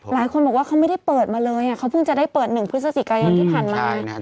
หลายคนบอกว่าเขาไม่ได้เปิดมาเลยเขาเพิ่งจะได้เปิด๑พฤศจิกายนที่ผ่านมา